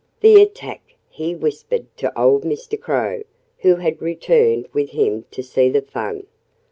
"The attack!" he whispered to old Mr. Crow, who had returned with him to see the fun.